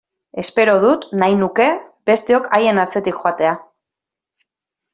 Espero dut, nahi nuke, besteok haien atzetik joatea!